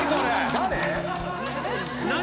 誰？